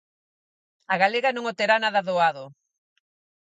A galega non o terá nada doado.